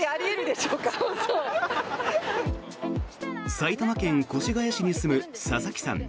埼玉県越谷市に住む佐々木さん。